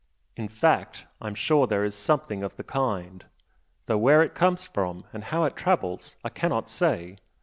In fact I'm sure there is something of the kind, though where it comes from and how it travels I cannot say.